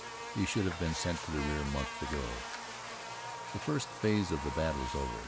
He should have been sent to the rear months ago. The first phase of the battle is over.